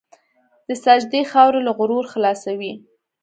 د سجدې خاورې له غرور خلاصوي.